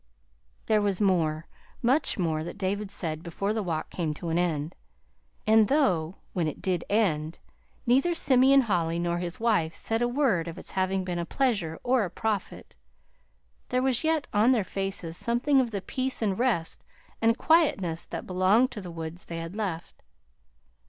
There was more, much more, that David said before the walk came to an end. And though, when it did end, neither Simeon Holly nor his wife said a word of its having been a pleasure or a profit, there was yet on their faces something of the peace and rest and quietness that belonged to the woods they had left.